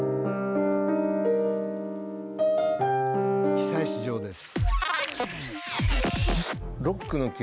久石譲です。